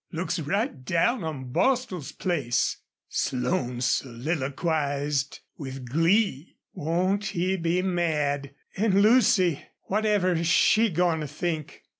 "Looks right down on Bostil's place," Slone soliloquized, with glee. "Won't he just be mad! An' Lucy! ... Whatever's she goin' to think?"